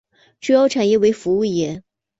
主要产业为服务业。